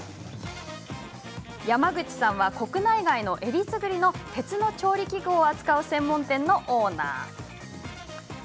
山口さんは国内外のえりすぐりの鉄の調理器具を扱う専門店のオーナー。